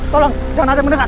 tolong jangan ada yang mendengar